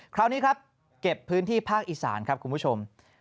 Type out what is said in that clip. คราวนี้ครับเก็บพื้นที่ภาคอีสานครับคุณผู้ชม